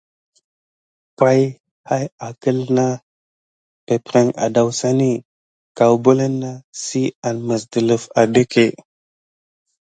Pay hayi va akelin na kubaye perpriké asane kubeline si an misdelife adake.